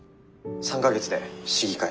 「３か月で市議会」。